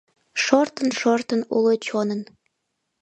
Шортын-шортын уло чонын